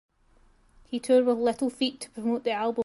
He toured with Little Feat to promote the album.